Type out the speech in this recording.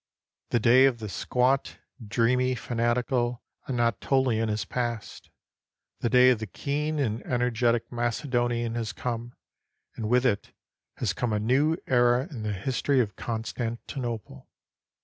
The day of the squat, dreamy, fanatical Anatolian is past; the day of the keen and energetic Macedonian has come, and with it has come a new era in the history of Constantinople.